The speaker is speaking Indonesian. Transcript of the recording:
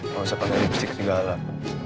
gak usah pakai lipstick di galak